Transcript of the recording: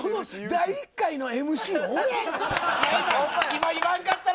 第１回のＭＣ、俺。